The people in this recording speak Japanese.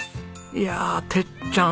いやあテッちゃん